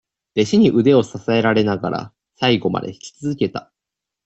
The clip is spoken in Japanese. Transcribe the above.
弟子に腕を支えられながら、最後まで引き続けた。